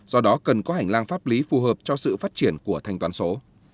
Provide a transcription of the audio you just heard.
do đó cần có hành lang pháp lý phù hợp cho sự phát triển của thanh toán số